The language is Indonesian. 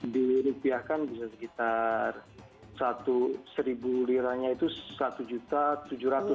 dirupiahkan bisa sekitar satu liranya itu rp satu tujuh ratus